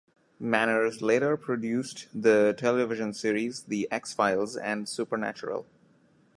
Manners later produced the television series "The X-Files" and "Supernatural".